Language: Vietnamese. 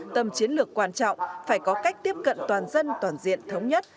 tầm chiến lược quan trọng phải có cách tiếp cận toàn dân toàn diện thống nhất